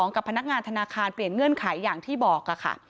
กับพนักงานธนาคารเปลี่ยนเงื่อนไขอย่างที่บอกค่ะ